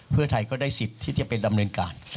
เพื่อไทยก็ได้สิทธิ์ที่จะเป็นดำเนินการนะครับ